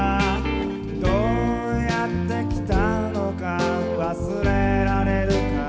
「どうやって来たのか忘れられるかな」